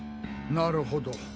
なるほど。